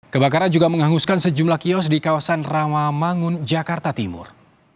kebakaran juga menghanguskan sejumlah kios di kawasan rawamangun jakarta timur